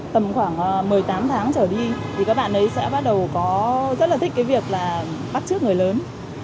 tầm khoảng một mươi tám tháng trở đi thì các bạn ấy sẽ bắt đầu có rất là thích cái việc là bắt trước người lớn